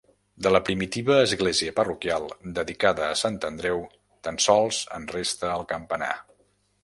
De la primitiva església parroquial, dedicada a Sant Andreu, tan sols en resta el campanar.